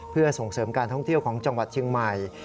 เพื่อส่งเสริมการท่องเที่ยวของจังหวัดเชียงใหม่